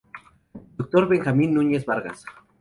Dr. Benjamín Núñez Vargas.